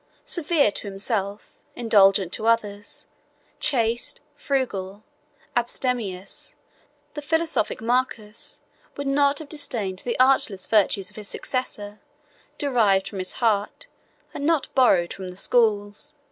Severe to himself, indulgent to others, chaste, frugal, abstemious, the philosophic Marcus would not have disdained the artless virtues of his successor, derived from his heart, and not borrowed from the schools.